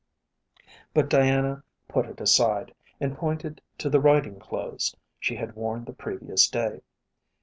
But Diana put it aside, and pointed to the riding clothes she had worn the previous day.